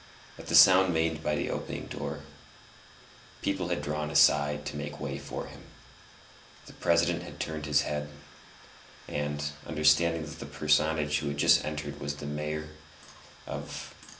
At the sound made by the opening door, people had drawn aside to make way for him; the President had turned his head, and, understanding that the personage who had just entered was the mayor of M.